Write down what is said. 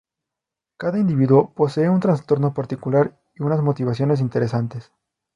Cada individuo posee un trasfondo particular y unas motivaciones interesantes.